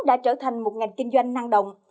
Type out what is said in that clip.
đã trở thành một ngành kinh doanh năng động